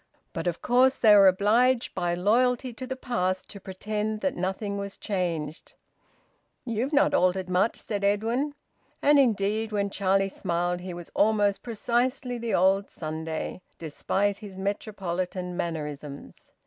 But of course they were obliged by loyalty to the past to pretend that nothing was changed. "You've not altered much," said Edwin. And indeed, when Charlie smiled, he was almost precisely the old Sunday, despite his metropolitan mannerisms.